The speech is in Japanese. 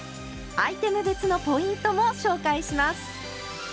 アイテム別のポイントも紹介します！